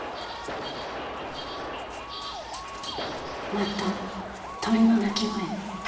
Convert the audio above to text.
「」また鳥の鳴き声。